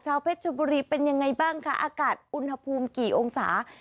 เพชรชบุรีเป็นยังไงบ้างคะอากาศอุณหภูมิกี่องศา